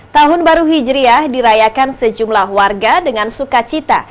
tahun baru hijriah dirayakan sejumlah warga dengan suka cita